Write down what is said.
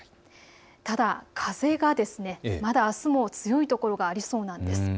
ただ、風がまだあすも強いところがありそうです。